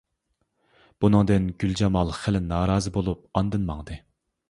بۇنىڭدىن گۈلجامال خېلى نارازى بولۇپ ئاندىن ماڭدى.